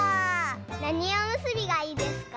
なにおむすびがいいですか？